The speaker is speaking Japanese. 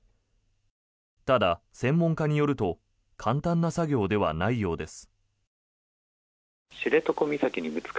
ただ、専門家によると簡単な作業ではないようです。